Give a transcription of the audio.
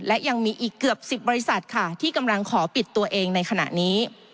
และยังมีอีกเกือบ๑๐บริษัทค่ะที่กำลังขอปิดตัวเองในขณะนี้